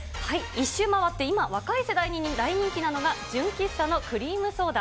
１周回って今、若い世代に大人気なのが、純喫茶のクリームソーダ。